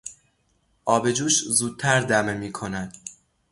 آب جوش زودتر دمه میکند.